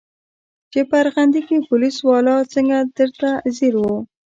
چې په ارغندې کښې پوليس والا څنګه درته ځير و.